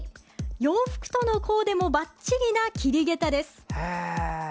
洋服とのコーデもばっちりな桐げたです。